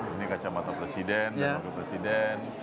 ini kacamata presiden dan wakil presiden